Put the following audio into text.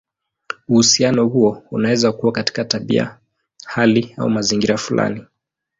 Uhusiano huo unaweza kuwa katika tabia, hali, au mazingira fulani.